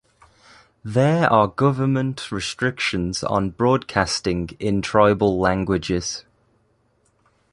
There are government restrictions on broadcasting in tribal languages.